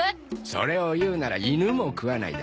それを言うなら「犬も食わない」だ。